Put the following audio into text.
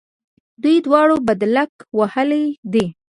دوی دواړو بدلک وهلی دی.